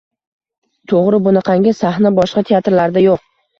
— To‘g‘ri, bunaqangi sahna boshqa teatrlarda yo‘q.